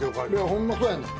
ホンマそやねん。